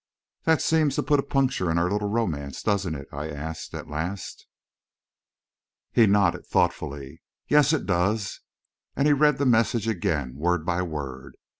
"That seems to put a puncture in our little romance, doesn't it?" I asked, at last. He nodded thoughtfully. "Yes, it does," and he read the message again, word by word.